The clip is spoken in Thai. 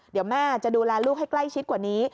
เดี๋ยวแม่จะดูแลลูกให้ใกล้ชิดกว่านี้